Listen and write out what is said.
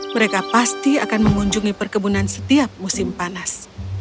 mereka pasti akan mengunjungi perkebunan setiap musim panas